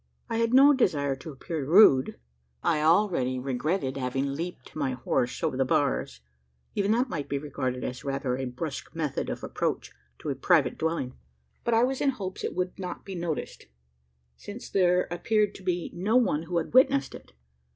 I had no desire to appear rude. I already regretted having leaped my horse over the bars. Even that might be regarded as rather a brusque method of approach to a private dwelling; but I was in hopes it would not be noticed: since there appeared to be no one who had witnessed it.